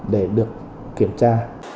để được kiểm tra